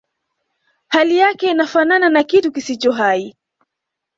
hali yake inafanana na kitu kisicho hai